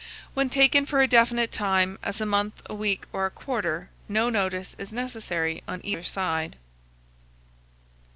When taken for a definite time, as a month, a week, or a quarter, no notice is necessary on either side.